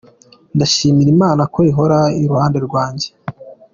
Ndashimira Imana ko ihora iruhande rwanjye”.